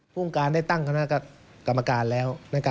ผู้การได้ตั้งเยอะกับกรรมการแล้ว